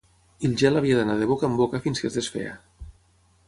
I el gel havia d'anar de boca en boca fins que es desfeia.